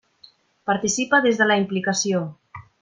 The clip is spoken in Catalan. Participa des de la implicació.